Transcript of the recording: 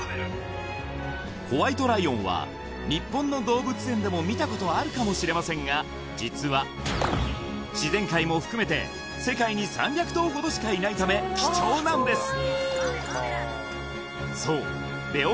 ホワイトライオンは日本の動物園でも見たことあるかもしれませんが実は自然界も含めて世界に３００頭ほどしかいないため貴重なんです！